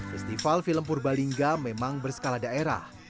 festival film purbalingga memang berskala daerah